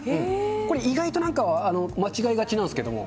これ、意外となんか、間違いがちなんですけれども、